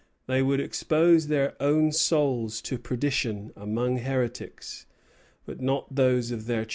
They would expose their own souls to perdition among heretics, but not those of their children.